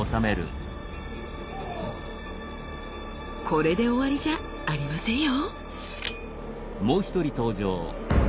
これで終わりじゃありませんよ！